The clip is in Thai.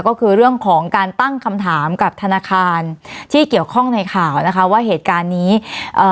ก็คือเรื่องของการตั้งคำถามกับธนาคารที่เกี่ยวข้องในข่าวนะคะว่าเหตุการณ์นี้เอ่อ